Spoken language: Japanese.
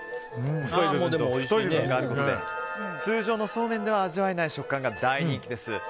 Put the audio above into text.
通常のそうめんでは味わえない食感が大人気です。